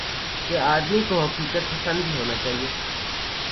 کہ آدمی کو حقیقت پسند بھی ہونا چاہیے۔